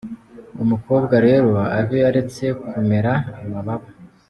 Uwo mukobwa rero Abe aretse kumera amababa.